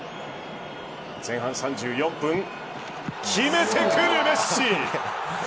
前半３４分決めてくるメッシ！